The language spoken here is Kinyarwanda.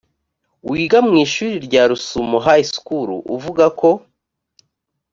wiga mu shuri rya rusumo high school uvuga ko